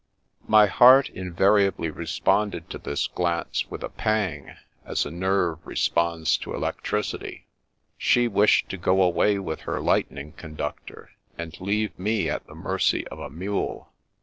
My heart The Making of a Mystery 9 3 invariably responded to this glance with a pang, as a nerve responds to electricity. She wished to go away with her Lightning Conductor, and leave me at the mercy of a mule.